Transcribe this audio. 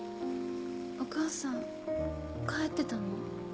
お母さん帰ってたの？